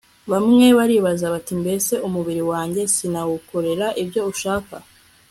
bamwe baribaza bati, 'mbese umubiri wanjye sinawukorera ibyo nshaka